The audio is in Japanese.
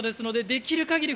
できる限り